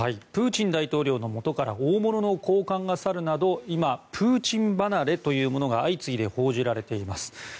プーチン大統領のもとから大物の高官が去るなど今、プーチン離れというものが相次いで報じられています。